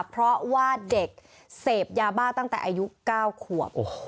เพราะว่าเด็กเสพยาบ้าตั้งแต่อายุ๙ขวบ